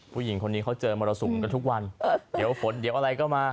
ผู้หญิงคนนี้เขาเจอมรสุมกันทุกวันเดี๋ยวฝนเดี๋ยวอะไรก็มา